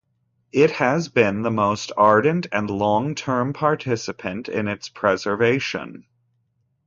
It has been the most ardent and long-term participant in its preservation.